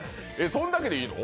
そんだけでいいの？